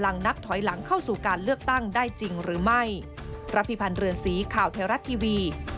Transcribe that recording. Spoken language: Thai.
นักถอยหลังเข้าสู่การเลือกตั้งได้จริงหรือไม่